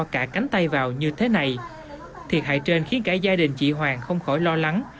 cả cánh tay vào như thế này thiệt hại trên khiến cả gia đình chị hoàng không khỏi lo lắng